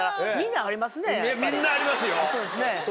みんなありますよ。